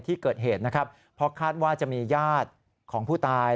ที่เกิดเหตุนะครับเพราะคาดว่าจะมีญาติของผู้ตาย